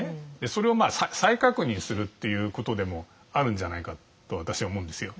それを再確認するっていうことでもあるんじゃないかと私は思うんですよ。